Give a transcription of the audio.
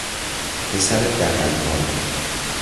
پسر دغلکار